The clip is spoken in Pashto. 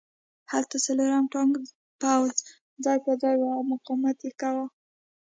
هلته څلورم ټانک پوځ ځای پرځای و او مقاومت یې کاوه